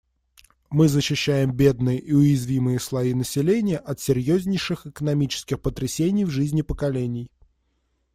Мы защищаем бедные и уязвимые слои населения от серьезнейших экономических потрясений в жизни поколений.